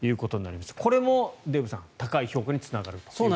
これもデーブさん高い評価につながるという。